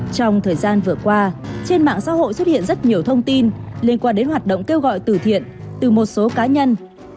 trong thời gian vừa qua trên mạng xã hội xuất hiện rất nhiều thông tin liên quan đến hoạt động kêu gọi từ thiện từ một số cá nhân